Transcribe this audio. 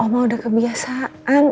oma udah kebiasaan